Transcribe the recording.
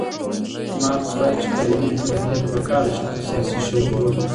مارکس وایي چې کارګرې طبقې ته پکار ده چې خپل سیاسي شعور لوړ کړي.